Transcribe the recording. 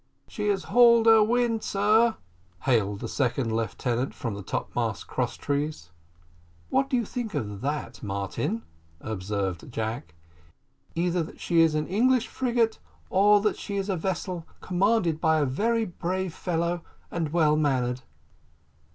"She has hauled her wind, sir," hailed the second lieutenant from the topmast cross trees. "What think you of that, Martin?" observed Jack. "Either that she is an English frigate, or that she is a vessel commanded by a very brave fellow, and well manned."